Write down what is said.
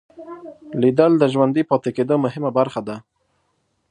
لیدل د ژوندي پاتې کېدو مهمه برخه ده